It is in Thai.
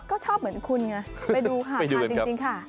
ก็ชอบเหมือนคุณไงไปดูหาจริงค่ะ